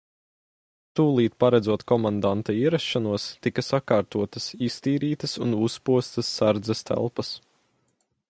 Tūlīt paredzot komandanta ierašanos, tika sakārtotas, iztīrītas un uzpostas sardzes telpas.